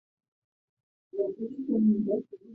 所以不少真光的毕业同学都会社名作为识别。